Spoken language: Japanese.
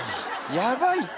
やばいって。